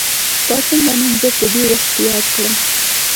تا څنګه نن زه په دې وخت کې ياد کړم.